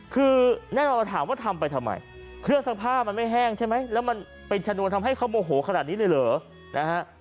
คือแน่นอนเราถามว่าทำไปทำไมเครื่องซักผ้ามันไม่แห้งใช่ไหมแล้วมันเป็นชนวนทำให้เขาโมโหขนาดนี้เลยเหรอนะฮะ